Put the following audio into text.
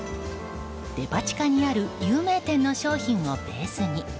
デパ地下にある有名店の商品をベースに